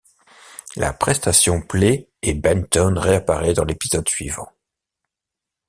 La prestation plaît et Benton réapparaît dans l'épisode suivant.